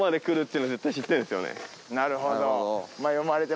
なるほど。